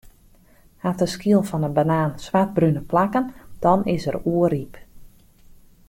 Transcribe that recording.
Hat de skyl fan 'e banaan swartbrune plakken, dan is er oerryp.